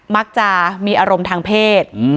มักจะมีอารมณ์ทางเพศ